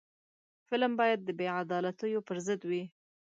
فلم باید د بې عدالتیو پر ضد وي